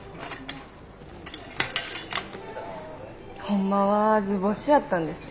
ほんまは図星やったんです。